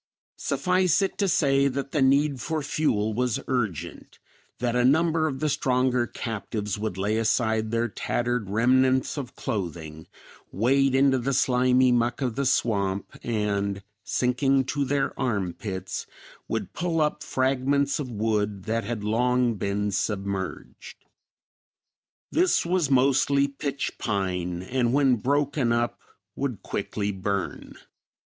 Suffice it to say that the need for fuel was urgent, that a number of the stronger captives would lay aside their tattered remnants of clothing, wade into the slimy muck of the swamp, and, sinking to their armpits, would pull up fragments of wood that had long been submerged. This was mostly pitch pine and when broken up would quickly burn.